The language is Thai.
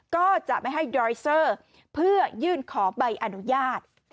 ก็จะไม่ให้ดรอยเซอร์เพื่อยื่นขอใบอนุญาต